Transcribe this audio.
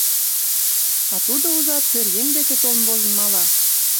А тудо, ужат, пӧръеҥ деке толын возын мала.